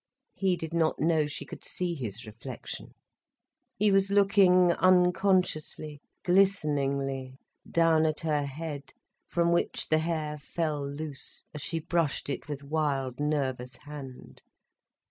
He did not know she could see his reflection. He was looking unconsciously, glisteningly down at her head, from which the hair fell loose, as she brushed it with wild, nervous hand.